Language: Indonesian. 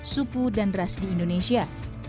suku dan ras di indonesia